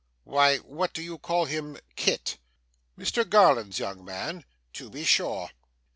'Why, what do you call him Kit.' 'Mr Garland's young man?' 'To be sure.